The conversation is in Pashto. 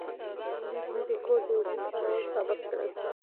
نن مې د کور د اوبو کارول ثابت کړل.